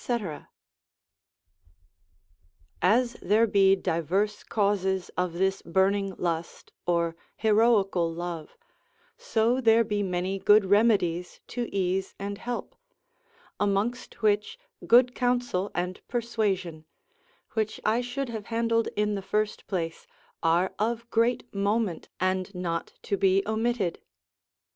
_ As there be divers causes of this burning lust, or heroical love, so there be many good remedies to ease and help; amongst which, good counsel and persuasion, which I should have handled in the first place, are of great moment, and not to be omitted.